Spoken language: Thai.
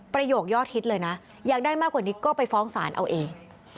ประโยคยอดฮิตเลยนะอยากได้มากกว่านี้ก็ไปฟ้องศาลเอาเอง